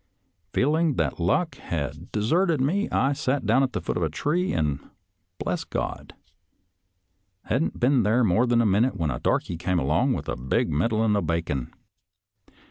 Feeling that luck had deserted me, I sat down at the foot of a tree, and bless God, hadn't been there more than a minute when a darky came along with a big middling of bacon.